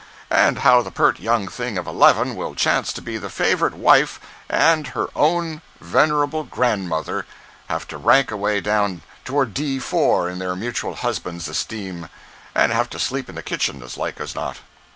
And how the pert young thing of eleven will chance to be the favorite wife and her own venerable grandmother have to rank away down toward D 4 in their mutual husband's esteem, and have to sleep in the kitchen, as like as not.